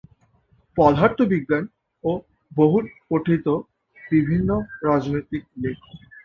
পদার্থ বিজ্ঞান ও বহুল পঠিত বিভিন্ন রাজনৈতিক লেখক।